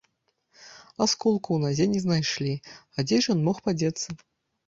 Асколку ў назе не знайшлі, а дзе ж ён мог падзецца?